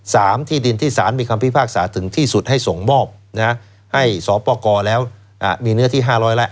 ที่ดินที่สารมีคำพิพากษาถึงที่สุดให้ส่งมอบให้สปกรแล้วมีเนื้อที่๕๐๐แล้ว